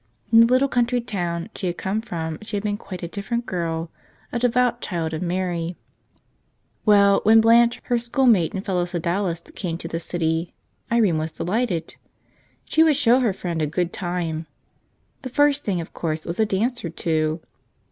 In the little country town she had come from she had been quite a different girl —a devout child of Mary. Well, when Blanche, her schoolmate and fellow Sodalist, came to the city, Irene was delighted. She would show her friend a good time. The first thing, of course, was a dance or two.